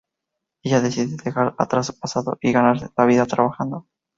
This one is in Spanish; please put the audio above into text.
Ella decide dejar atrás su pasado y ganarse la vida trabajando.